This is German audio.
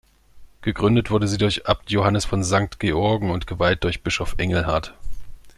Gegründet wurde sie durch Abt Johannes von Sankt Georgen und geweiht durch Bischof Engelhard.